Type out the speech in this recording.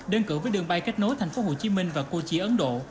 đơn cử với đường bay kết nối thành phố hồ chí minh và cô chi ấn độ